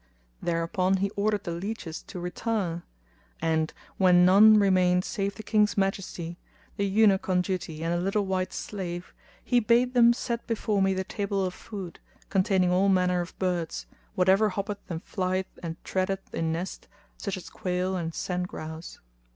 Thereupon he ordered the lieges to retire; and, when none remained save the King's majesty, the Eunuch on duty and a little white slave, he bade them set before me the table of food, containing all manner of birds, whatever hoppeth and flieth and treadeth in nest, such as quail and sand grouse.